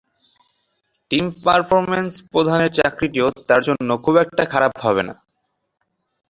Team performance প্রধানের চাকরিটিও তাঁর জন্য খুব একটা খারাপ হবে না।